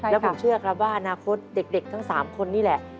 แล้วผมเชื่อครับว่าอนาคตเด็กทั้ง๓คนนี่แหละ